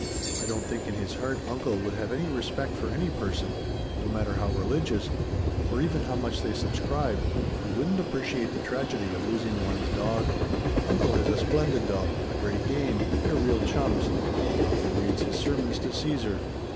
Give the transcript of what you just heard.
I don't think in his heart uncle would have any respect for any person no matter how religious or even how much they subscribed who wouldn't appreciate the tragedy of losing one's dog. Uncle has a splendid dog a Great Dane; they're real chums. He often reads his sermons to Caesar.